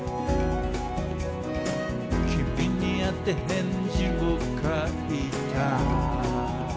「君にあて返事を書いた」